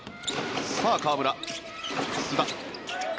さあ、河村、須田。